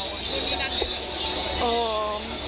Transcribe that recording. วันนี้น่าจะเริ่มยังไง